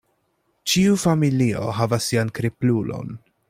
Ĉiu familio havas sian kriplulon.